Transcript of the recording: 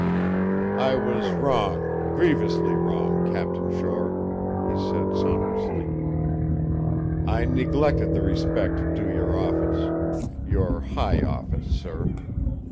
"I was wrong, grievously wrong, Captain Shore," he said sonorously. "I neglected the respect due your office. Your high office, sir.